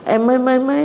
em mới mới mới